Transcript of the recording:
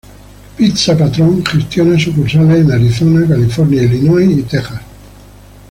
Pizza Patrón gestiona sucursales en Arizona, California, Illinois y Texas.